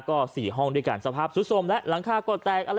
ก็๔ห้องด้วยกันสภาพสุดสมและหลังคาก็แตกอะไร